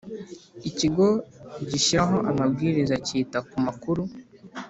Ikigo gishyiraho amabwiriza cyita ku makuru